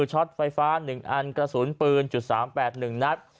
ช็อตไฟฟ้า๑อันกระสุนปืน๓๘๑นัด